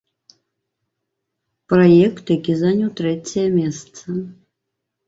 Праект, які заняў трэцяе месца.